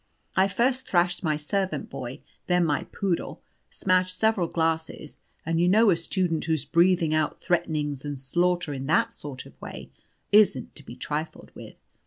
I first thrashed my servant boy, then my poodle, smashed several glasses and you know a student who's breathing out threatenings and slaughter in that sort of way isn't to be trifled with.